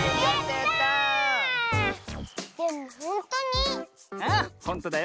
でもほんとに？